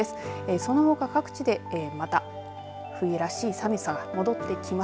そのほか各地でまた冬らしい寒さが戻ってきます。